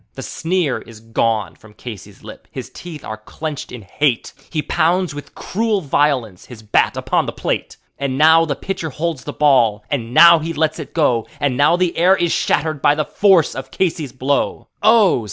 The sneer is gone from Casey's lip; his teeth are clenched in hate; He pounds with cruel violence his bat upon the plate. And now the pitcher holds the ball, and now he lets it go, And now the air is shattered by the force of Casey's blow. Oh!